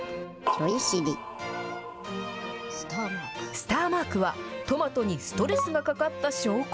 スターマークは、トマトにストレスがかかった証拠。